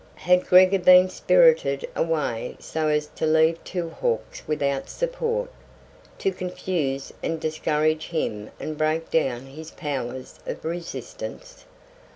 Had Gregor been spirited away so as to leave Two Hawks without support, to confuse and discourage him and break down his powers of resistance?